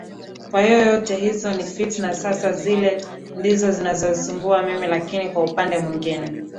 kwahiyo zote hizo ni fitna Sasa zile ndizo zinazonisumbua mimi Lakini kwa upande mwingine